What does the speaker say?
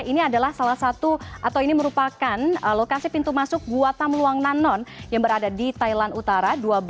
ini adalah salah satu atau ini merupakan lokasi pintu masuk buatan luang nan non yang berada di thailand utara